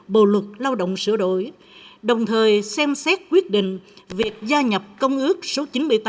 bộ luật lao động sửa đổi đồng thời xem xét quyết định việc gia nhập công ước số chín mươi tám